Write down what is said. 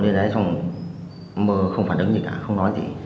dội lên đấy xong mơ không phản ứng gì cả không nói gì